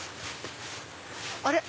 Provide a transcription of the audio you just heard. あれ？